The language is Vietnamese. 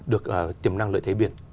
được tiềm năng lợi thế biển